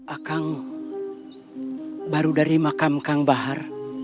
akang baru dari makam kang bahar